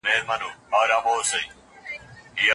کاشکې مې د خپلې ځوانۍ قدر کړی وای.